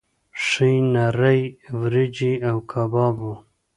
ښې نرۍ وریجې او کباب وو.